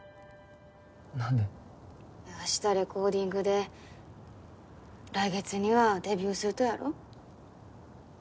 明日レコーディングで、来月にはデビューするとやろ？